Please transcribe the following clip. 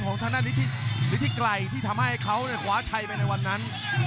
ของฤติไกรที่ทำให้เขาคว้าช่ายไปในวันนั้น